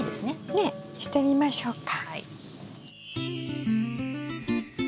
ねえしてみましょうか。